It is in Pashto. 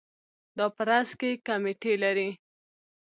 دا په راس کې کمیټې لري.